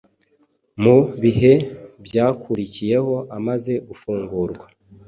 mu bihe byakurikiyeho amaze gufungurwa’;’